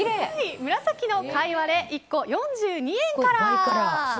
紫のかいわれ、１個４２円から。